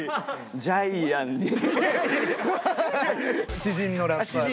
知人のラッパーで。